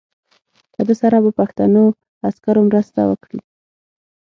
له ده سره به پښتنو عسکرو مرسته وکړي.